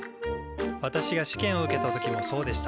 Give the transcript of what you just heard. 私が試験を受けた時もそうでした。